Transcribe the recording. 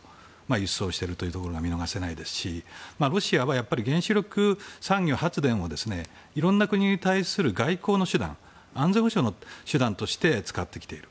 輸出をしているというところが見逃せないですしロシアは原子力産業、発電をいろんな国に対する外交の手段安全保障の手段として使ってきている。